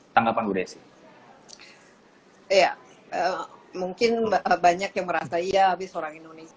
tanggapan bu desi ya mungkin banyak yang merasa iya habis orang indonesia